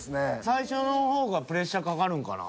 最初の方がプレッシャーかかるんかな？